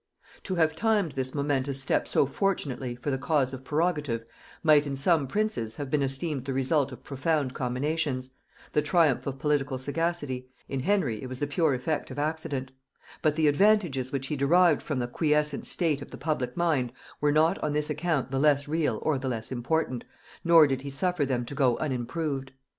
To have timed this momentous step so fortunately for the cause of prerogative might in some princes have been esteemed the result of profound combinations, the triumph of political sagacity; in Henry it was the pure effect of accident: but the advantages which he derived from the quiescent state of the public mind were not on this account the less real or the less important, nor did he suffer them to go unimproved.